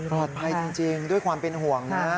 ปลอดภัยจริงด้วยความเป็นห่วงนะ